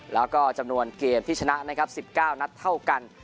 แล้วก็จำนวนเกมที่ชนะนะครับ๑๙นัดเท่ากัน